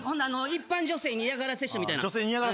一般女性に嫌がらせしてみたいな。